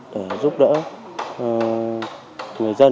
để giúp đỡ người dân